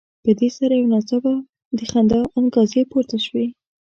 په دې سره یو ناڅاپه د خندا انګازې پورته شوې.